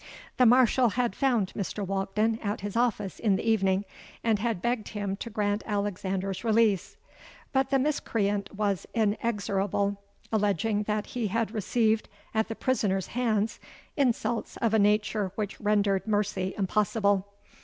The Marshal had found Mr. Walkden at his office in the evening, and had begged him to grant Alexander's release. But the miscreant was inexorable, alleging that he had received at the prisoner's hands insults of a nature which rendered mercy impossible.